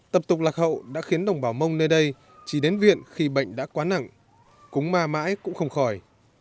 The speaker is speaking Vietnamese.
tập tục lạc hậu đã khiến đồng bào mông nơi đây chỉ đến viện khi bệnh đã quá nặng cúng ma mãi cũng không khỏi